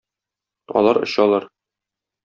Алар очалар.